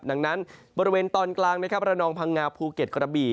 ดังนั้นบริเวณตอนกลางนะครับระนองพังงาภูเก็ตกระบี่